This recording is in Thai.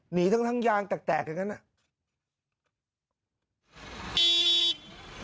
หนีทั้งยางแตกจริงนี่